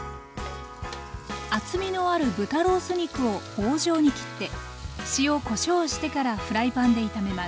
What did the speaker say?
厚みのある豚ロース肉を棒状に切って塩こしょうをしてからフライパンで炒めます。